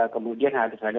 kemudian harus ada